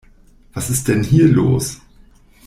Was ist denn hier los?